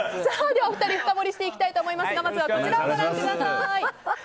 ではお二人深掘りしていきたいと思いますがまずはこちらをご覧ください。